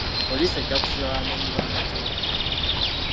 Poliisi ejja kusiba abamenyi b'amateeka.